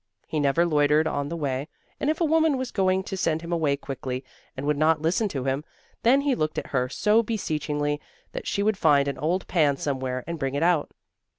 He never loitered on the way, and if a woman was going to send him away quickly and would not listen to him, then he looked at her so beseechingly that she would find an old pan somewhere and bring it out.